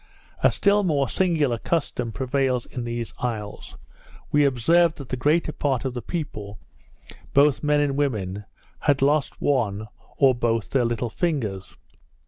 A still more singular custom prevails in these isles: We observed that the greater part of the people, both men and women, had lost one, or both their little fingers.